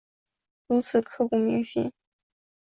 如此刻骨铭心